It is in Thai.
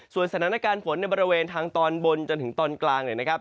สถานการณ์ฝนในบริเวณทางตอนบนจนถึงตอนกลางเนี่ยนะครับ